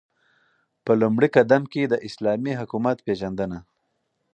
په لومړی قدم كې داسلامي حكومت پيژندنه